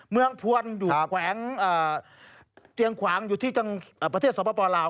พวนอยู่แขวงเตียงขวางอยู่ที่ประเทศสปลาว